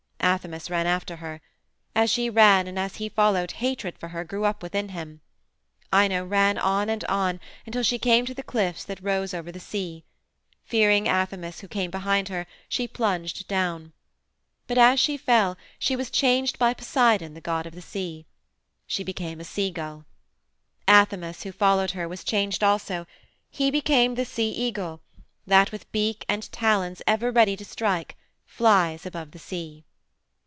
Athamas ran after her. As she ran and as he followed hatred for her grew up within him. Ino ran on and on until she came to the cliffs that rose over the sea. Fearing Athamas who came behind her she plunged down. But as she fell she was changed by Poseidon, the god of the sea. She became a seagull. Athamas, who followed her, was changed also; he became the sea eagle that, with beak and talons ever ready to strike, flies above the sea.